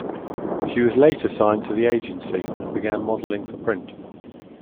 She was later signed to the agency and began modeling for print.